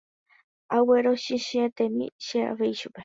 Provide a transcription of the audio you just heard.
aguerochichĩetémi che avei chupe